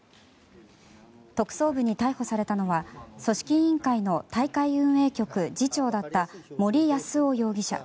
特捜部に逮捕されたのは組織委員会の大会運営局次長だった森泰夫容疑者。